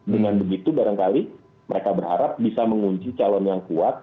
dengan begitu barangkali mereka berharap bisa mengunci calon yang kuat